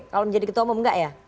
kalau menjadi ketua umum enggak ya